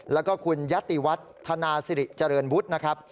และคุณยัตติวัฒนาสิริเจริญบุธนะครับ